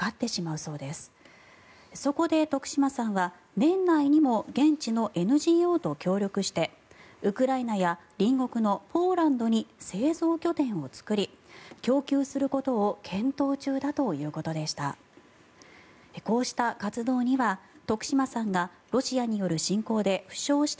そこで徳島さんは年内にも現地のＮＧＯと協力してウクライナや隣国のポーランドに製造拠点を作り供給することを検討中だということでした。